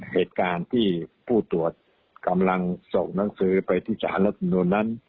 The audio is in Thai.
เหตุการณ์ที่ผู้ตรวจกำลังส่งหนังสือไปที่สารรัฐมนุนนั้น